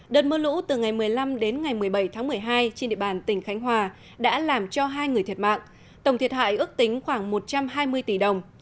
đợt mưa lũ từ ngày một mươi năm đến ngày một mươi bảy tháng một mươi hai trên địa bàn tỉnh khánh hòa đã làm cho hai người thiệt mạng tổng thiệt hại ước tính khoảng một trăm hai mươi tỷ đồng